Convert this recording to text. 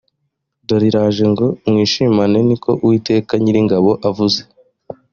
dore iraje ngo mwishimane ni ko uwiteka nyiringabo avuze